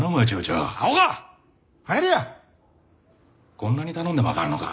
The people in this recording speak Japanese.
こんなに頼んでもあかんのか？